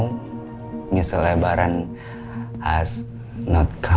tapi sampai sekarang puan lebaran belum datang